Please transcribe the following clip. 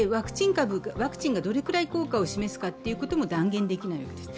ワクチンがどれくらい効果を示すかということも断言できないわけです。